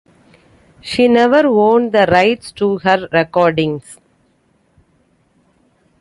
She never owned the rights to her recordings.